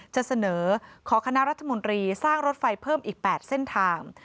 จะเสนอขอคณะรัฐมนตรีสร้างรถไฟเพิ่มอีก๘เส้นทาง